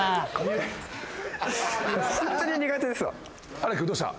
荒木君どうした？